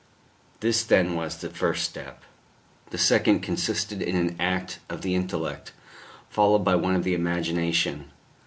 This then was the first step. The second consisted in an act of the intellect, followed by one of the imagination.